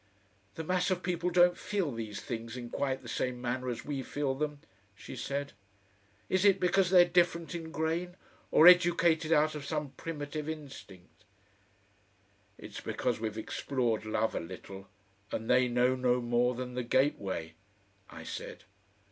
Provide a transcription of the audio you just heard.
"The mass of people don't feel these things in quite the same manner as we feel them," she said. "Is it because they're different in grain, or educated out of some primitive instinct?" "It's because we've explored love a little, and they know no more than the gateway," I said.